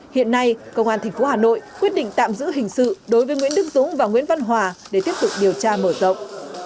hiện nay công an tp hà nội quyết định tạm giữ hình sự đối với nguyễn đức dũng và nguyễn văn hòa để tiếp tục điều tra mở rộng